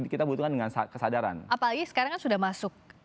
kebetulan dengan saat kesadaran apalagi sekarang sudah masuk